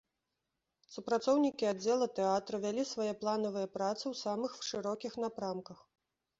Супрацоўнікі аддзела тэатра вялі свае планавыя працы ў самых шырокіх напрамках.